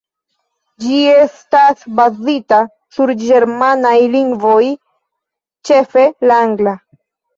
Ĝi estas bazita sur ĝermanaj lingvoj, ĉefe la angla.